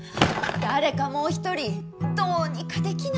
誰かもう一人どうにかできないんですか？